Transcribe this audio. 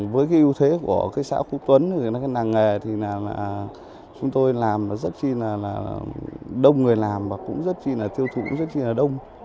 với ưu thế của xã quốc tuấn nàng nghề chúng tôi làm rất đông người làm tiêu thụ rất đông